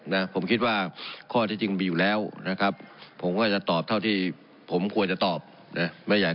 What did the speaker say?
นะผมคิดว่าข้อที่จริงมีอยู่แล้วนะครับผมก็จะตอบเท่าที่ผมควรจะตอบนะไม่อยาก